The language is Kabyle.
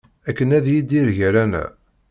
Akken ad yidir gar-aneɣ.